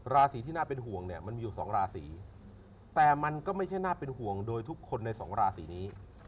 ราศีที่น่าเป็นห่วงเนี่ยมันมีอยู่สองราศีแต่มันก็ไม่ใช่น่าเป็นห่วงโดยทุกคนในสองราศีนี้